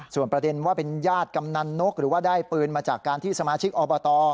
ส่วนประเด็นว่าเป็นญาติกำนันนกหรือว่าได้ปืนมาจากการที่สมาชิกอบต